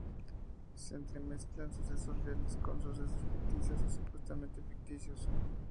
Se entremezclan sucesos reales con sucesos ficticios o supuestamente ficticios.